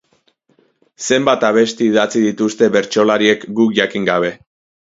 Zenbat abesti idatzi dituzte bertsolariek guk jakin gabe.